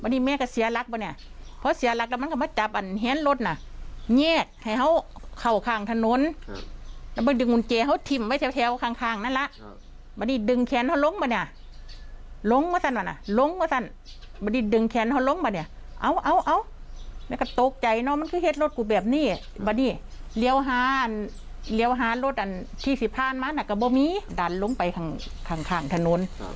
เดี๋ยวหารถอันที่สิบห้านมั้นก็ไม่มีดันลงไปข้างข้างข้างถนน